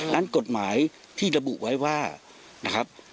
นั่นกฎหมายที่ระบุไว้ว่า